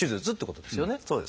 そうですね。